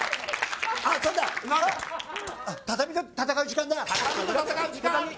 あっ、戦う時間だ。